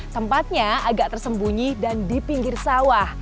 tempatnya agak tersembunyi dan di pinggir sawah